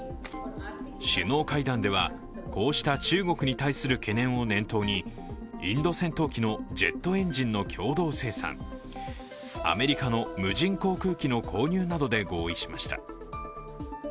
首脳会談では、こうした中国に対する懸念を念頭に、インド戦闘機のジェットエンジンの共同生産アメリカの無人航空機の購入などで合意しました。